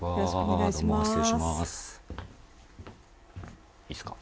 いいですか？